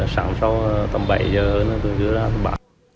sáng sau tầm bảy giờ nó trở ra tầm ba giờ